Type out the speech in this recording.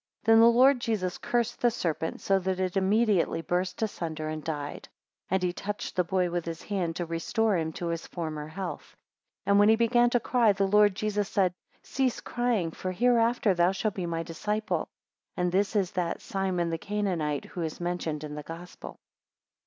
16 Then the Lord Jesus cursed the serpent, so that it immediately burst asunder, and died; 17 And he touched the boy with his hand to restore him to his former health; 18 And when he began to cry, the Lord Jesus said, Cease crying for hereafter thou shall be my disciple; 19 And this is that Simon the Canaanite, who is mentioned in the Gospel.